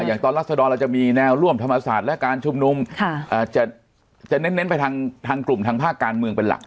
อย่างตอนรัศดรเราจะมีแนวร่วมธรรมศาสตร์และการชุมนุมจะเน้นไปทางกลุ่มทางภาคการเมืองเป็นหลัก